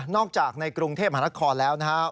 จากในกรุงเทพมหานครแล้วนะครับ